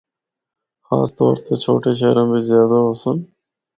خاص طور تے چھوٹے شہراں بچ زیادہ ہوسن۔